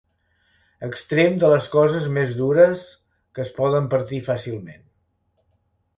Extrems de les coses més dures que es poden partir fàcilment.